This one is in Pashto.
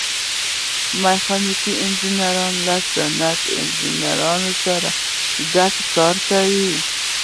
میخانیکي انجینران له صنعتي انجینرانو سره ګډ کار کوي.